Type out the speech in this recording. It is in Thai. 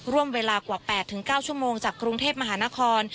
ร่วมเวลากว่า๘๙ชั่วโมงจากกรุงเทพมหานคร